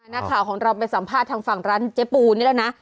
นักข่าวของเราไปสัมภาษณ์ทางฝั่งร้านเจ๊ปูนี่แล้วนะ